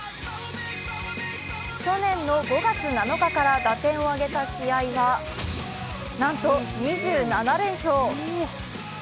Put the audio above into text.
去年の５月７日から打点を挙げた試合はなんと２７連勝。